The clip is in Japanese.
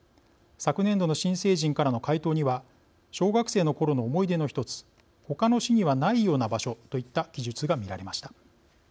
昨年度の新成人からの回答には小学生のころの思い出の１つ他の市にはないような場所といった記述が見られました。